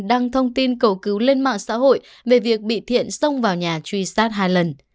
đăng thông tin cầu cứu lên mạng xã hội về việc bị thiện xông vào nhà truy sát hai lần